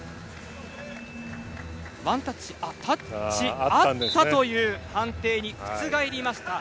ワンタッチ、あったという判定に覆りました。